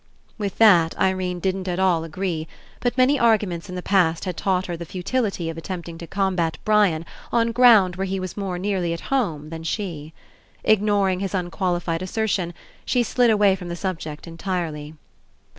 With that Irene didn't at all agree, but many arguments in the past had taught her the futility of attempting to combat Brian on ground where he was more nearly at home than she. Ignoring his unqualified assertion, she slid away from the subject entirely.